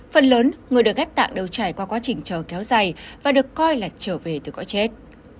phần lớn người được ghép tạng đều trải qua quá trình chờ kéo dài và được coi là trở về từ cõi chết